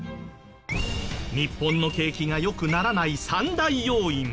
日本の景気が良くならない３大要因。